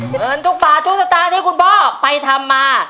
เหมือนทุกป่าทุกสตานที่คุณพ่อไปทำมา